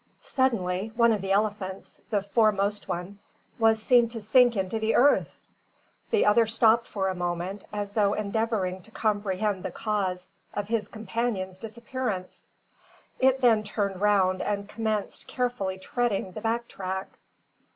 Suddenly one of the elephants the foremost one was seen to sink into the earth! The other stopped for a moment, as though endeavouring to comprehend the cause of his companion's disappearance. It then turned round and commenced carefully treading the back track.